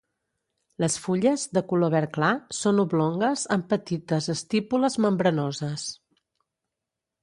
Les fulles, de color verd clar, són oblongues amb petites estípules membranoses.